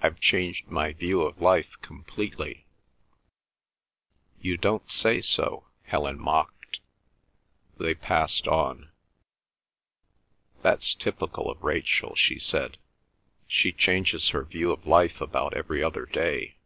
"I've changed my view of life completely!" "You don't say so!" Helen mocked. They passed on. "That's typical of Rachel," she said. "She changes her view of life about every other day.